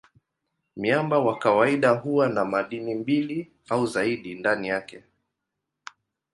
Miamba kwa kawaida huwa na madini mbili au zaidi ndani yake.